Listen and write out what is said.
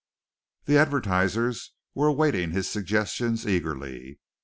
The advertisers were awaiting his suggestions eagerly.